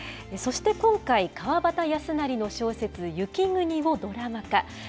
そして今回、川端康成の小説、雪国をドラマ化。